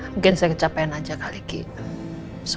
mungkin saya kecapean aja kali ini